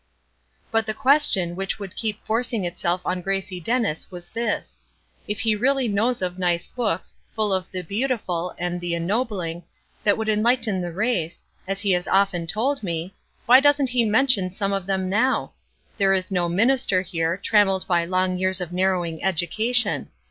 But the question which would keep forcing itself on Gracie Dennis was this: "If he really knows of nice books, full of 'the beautiful' and 'the ennobling,' that would enlighten the race, as he has often told me, why doesn't he mention some of them now? There is no minister here 'trammelled by long years of narrowing education.'